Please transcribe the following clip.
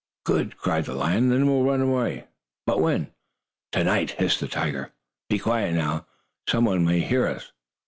"Good!" cried the lion. "Then we'll run away! But when?" "To night," hissed the tiger. "Be quiet now, some one may hear us."